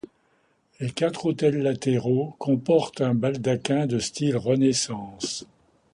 Les quatre autels latéraux comportent un baldaquin de style Renaissance.